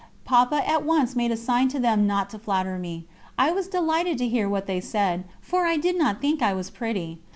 Papa at once made a sign to them not to flatter me; I was delighted to hear what they said, for I did not think I was pretty.